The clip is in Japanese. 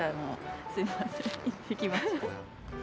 すいません行ってきました。